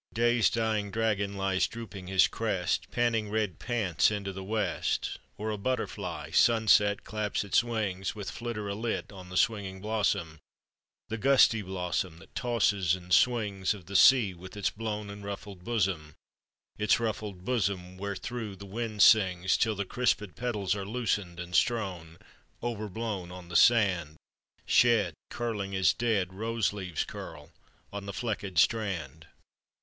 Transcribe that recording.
Day's dying dragon lies drooping his crest, Panting red pants into the West. Or a butterfly sunset claps its wings With flitter alit on the swinging blossom, The gusty blossom, that tosses and swings, Of the sea with its blown and ruffled bosom; Its ruffled bosom wherethrough the wind sings Till the crispèd petals are loosened and strown Overblown on the sand; Shed, curling as dead Rose leaves curl, on the fleckèd strand.